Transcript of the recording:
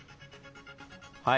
はい。